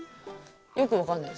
よくわかんないですね